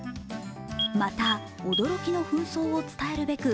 また、驚きのふん装を伝えるべく